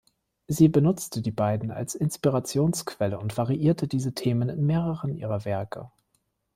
Sie benutzte die beiden als Inspirationsquelle und variierte diese Themen in mehreren ihrer Werke.